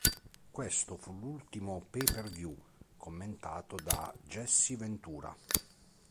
Questo fu l'ultimo pay-per-view commentato da Jesse Ventura.